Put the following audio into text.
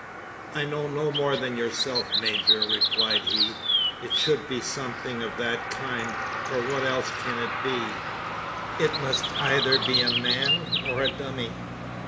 "I know no more than yourself, major," replied he. "It should be somethin' of that kind: for what else can it be? It must eyther be a man, or a dummy!"